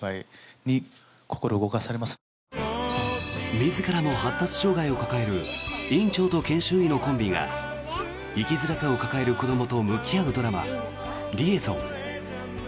自らも発達障害を抱える院長と研修医のコンビが生きづらさを抱える子どもと向き合うドラマ、「リエゾン」。